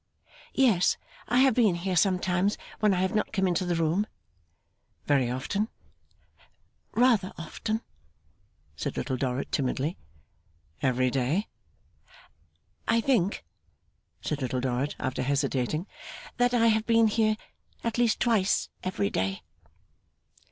'Yes, I have been here sometimes when I have not come into the room.' 'Very often?' 'Rather often,' said Little Dorrit, timidly. 'Every day?' 'I think,' said Little Dorrit, after hesitating, 'that I have been here at least twice every day.